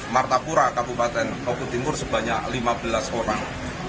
mata pura kabupaten kaukut timur sebanyak lima belas orang